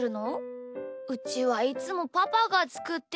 うちはいつもパパがつくってるけど？